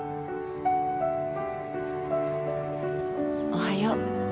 おはよう。